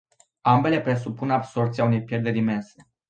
Ambele presupun absorbția unei pierderi imense.